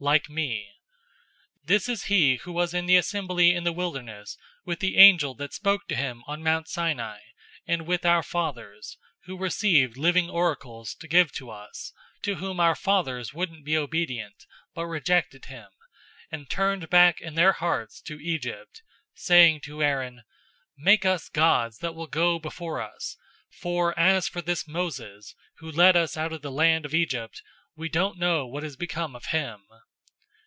{TR adds "You shall listen to him."}'{Deuteronomy 18:15} 007:038 This is he who was in the assembly in the wilderness with the angel that spoke to him on Mount Sinai, and with our fathers, who received living oracles to give to us, 007:039 to whom our fathers wouldn't be obedient, but rejected him, and turned back in their hearts to Egypt, 007:040 saying to Aaron, 'Make us gods that will go before us, for as for this Moses, who led us out of the land of Egypt, we don't know what has become of him.'